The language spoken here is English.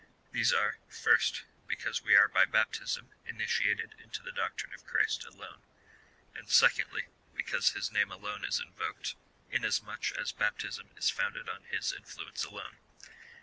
These are, first, be cause we are by baptism initiated^ into the doctrine of Christ alone ; and, secondly, because his name alone is invoked, in asmuch as baptism is founded on his influence alone.